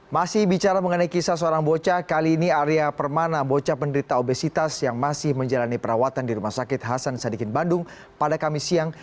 masih bicara mengenai kisah seorang bocah kali ini arya permana bocah penderita obesitas yang masih menjalani perawatan di rumah sakit hasan sadikin bandung pada kamis siang